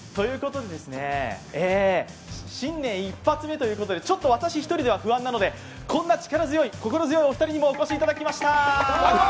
新年１発目ということで、私１人では不安なので、こんな力強い心強いお二人にもお越しいただきました。